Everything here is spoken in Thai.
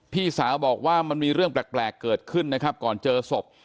พี่สาวบอกว่ามันมีเรื่องแปลกเกิดขึ้นนะครับก่อนเจอศพ